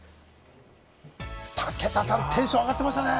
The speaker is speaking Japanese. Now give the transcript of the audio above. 武田さん、テンション上がってましたね。